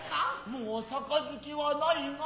もう盃はないが。